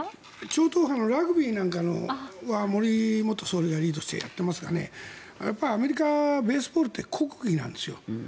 超党派のラグビーなんかは森元総理がリードしてやってますがやっぱりアメリカはベースボールって国技なんですよ。